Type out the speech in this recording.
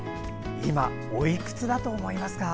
今、おいくつだと思いますか？